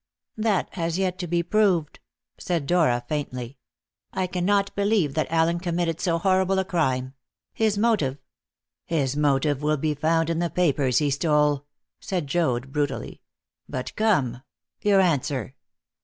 "That has yet to be proved," said Dora faintly. "I cannot believe that Allen committed so horrible a crime. His motive " "His motive will be found in the papers he stole," said Joad brutally. "But come your answer.